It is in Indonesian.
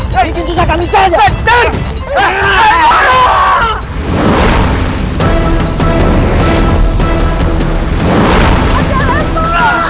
mungkin susah kami saja